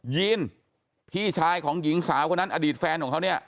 ีนพี่ชายของหญิงสาวคนนั้นอดีตแฟนของเขาเนี่ย